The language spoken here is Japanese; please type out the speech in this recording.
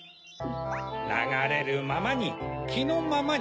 ながれるままにきのままに。